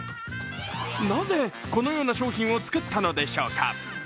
なぜこのような商品を作ったのでしょうか。